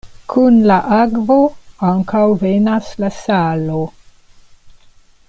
Kun la akvo ankaŭ venas la salo.